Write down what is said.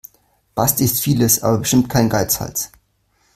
Basti ist vieles, aber bestimmt kein Geizhals.